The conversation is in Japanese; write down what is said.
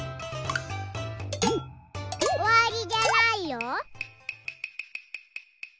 おわりじゃないよ。